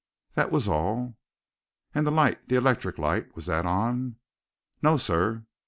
That was all." "And the light the electric light? Was that on?" "No, sir."